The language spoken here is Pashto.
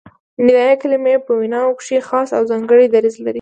ندائیه کلیمې په ویناوو کښي خاص او ځانګړی دریځ لري.